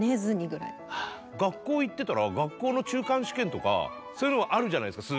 学校行ってたら学校の中間試験とかそういうのもあるじゃないですか。